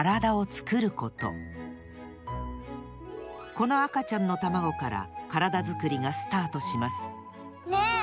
この赤ちゃんのたまごからカラダづくりがスタートしますねえ。